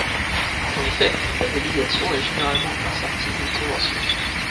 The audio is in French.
En effet, la délégation est généralement assortie d’une convention.